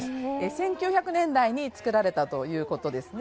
１９００年代に作られたということですね。